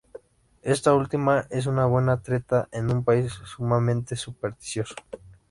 Esta última es una buena treta en un país sumamente supersticioso.